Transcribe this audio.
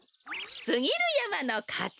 すぎるやまのかち！